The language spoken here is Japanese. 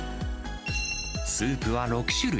スープは６種類。